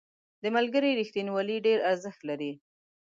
• د ملګري رښتینولي ډېر ارزښت لري.